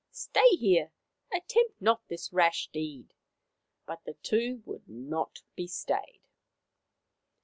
Stay here. Attempt not this rash deed." But the two would not be stayed.